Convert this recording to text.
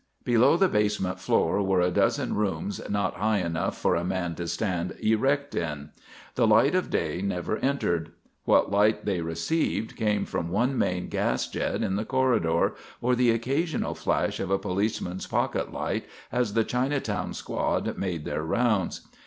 Below the basement floor were a dozen rooms not high enough for a man to stand erect in. The light of day never entered. What light they received came from one main gas jet in the corridor or the occasional flash of a policeman's pocket light as the Chinatown squad made their rounds.